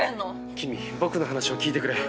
キミ僕の話を聞いてくれ。